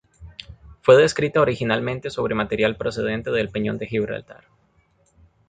Fue descrita originalmente sobre material procedente del Peñón de Gibraltar.